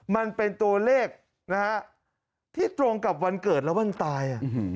มันเป็นตัวเลขนะฮะที่ตรงกับวันเกิดและวันตาย